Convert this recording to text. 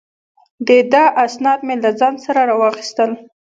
د ده اسناد مې له ځان سره را واخیستل.